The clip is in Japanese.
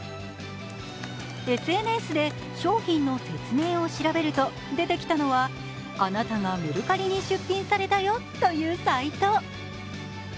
ＳＮＳで商品の説明を調べると出てきたのは、あなたがメルカリに出品されたよ、というサイト。